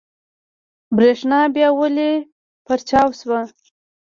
برېښنا بيا ولې پرچاو شوه؟